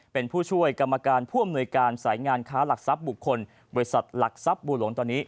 เป็นผู้ช่วยกรรมการผู้อำนวยการสายงานค้าหลักทรัพย์บุคคลบริษัทหลักทรัพย์บัวหลวงตอนนี้